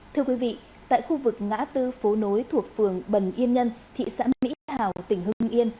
thưa quý vị tại khu vực ngã tư phố nối thuộc phường bần yên nhân thị xã mỹ hào tỉnh hưng yên